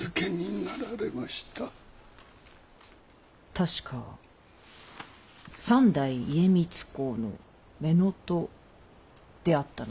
確か三代家光公の乳母であったな。